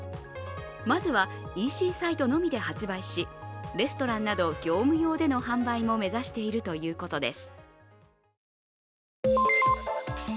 まずはＥＣサイトのみで発売しレストランなど業務用での販売も目指しているということです。